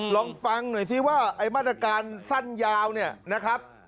ลองฟังหน่อยซิว่าไอ้มาตรการสั้นยาวเนี่ยนะครับ